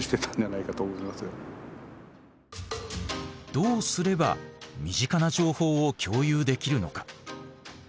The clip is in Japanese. どうすれば身近な情報を共有できるのか。